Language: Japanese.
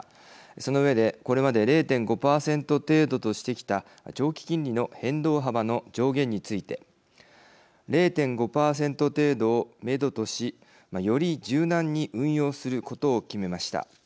その上でこれまで０．５％程度としてきた長期金利の変動幅の上限について０．５％程度をめどとしより柔軟に運用することを決めました。